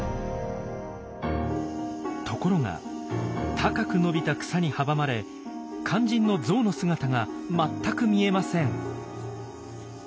ところが高く伸びた草に阻まれ肝心のゾウの姿が全く見えません。